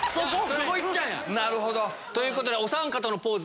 そこいったんや！ということでおさん方のポーズ。